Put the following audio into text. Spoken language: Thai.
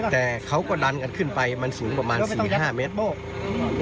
แต่เขาก็ดันกันขึ้นไปมันสูงประมาณ๔๕เมตร